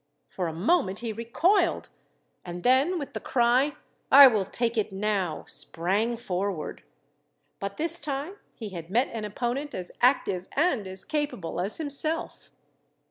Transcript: For a moment he recoiled, and then with the cry, "I will take it now," sprang forward. But this time he had met an opponent as active and as capable as himself.